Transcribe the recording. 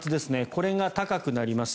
これが高くなります。